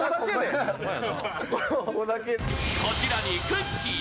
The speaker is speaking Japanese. こちらにくっきー！